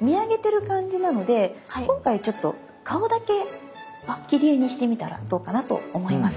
見上げてる感じなので今回ちょっと顔だけ切り絵にしてみたらどうかなと思います。